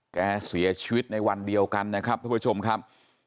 เสียชีวิตในวันเดียวกันนะครับท่านผู้ชมครับ